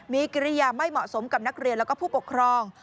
มีกิริยาไม่เหมาะสมกับนักเรียนแล้วก็ผู้ปกครอง